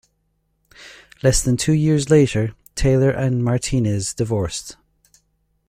Less than two years later, Taylor and Martinez divorced.